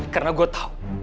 karena gue tahu